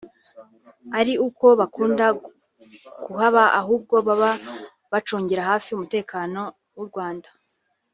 atari uko bakunda kuhaba ahubwo baba bacungira hafi umutekano w’u Rwanda